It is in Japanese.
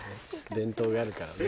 伝統があるからね。